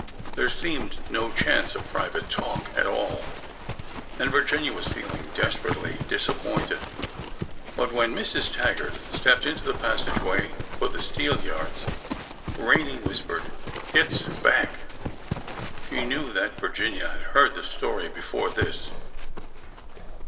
There seemed no chance of private talk at all, and Virginia was feeling desperately disappointed; but when Mrs. Taggart stepped into the passageway for the steelyards, Rene whispered: " Kit 's back." She knew that Virginia had heard the story before this.